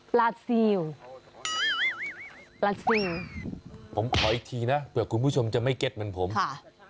ปลาซิลปลาซิลผมขออีกทีนะเผื่อคุณผู้ชมจะไม่เก็ตเหมือนผมค่ะ